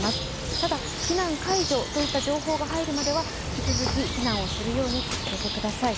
ただ、避難解除といった情報が入るまでは引き続き避難をするように続けてください。